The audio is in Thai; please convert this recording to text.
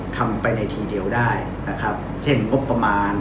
ทำไปในทีเดียวได้นะครับเช่นงบประมาณ